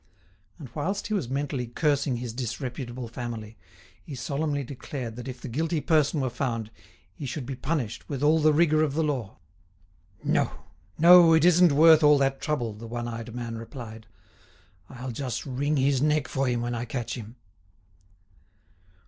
And whilst he was mentally cursing his disreputable family, he solemnly declared that if the guilty person were found he should be punished with all the rigour of the law. "No, no, it isn't worth all that trouble," the one eyed man replied; "I'll just wring his neck for him when I catch him."